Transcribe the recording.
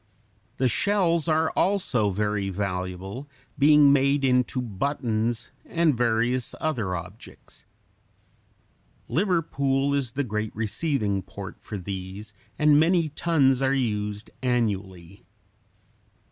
The shells are also very valuable, being made into buttons and various other objects. Liverpool is the great receiving port for these, and many tons are used annually.